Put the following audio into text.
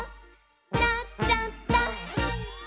「なっちゃった！」